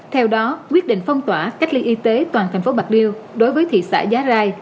theo đó quyết định phong tỏa cách ly y tế toàn thành phố bạc liêu đối với thị xã giá rai